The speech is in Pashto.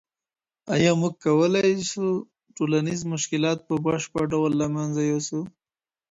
ايا موږ کولای سو ټولنیز مشکلات په بشپړ ډول له منځه یوسو؟